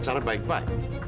secara baik pak